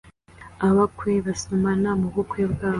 abakwe basomana mubukwe bwabo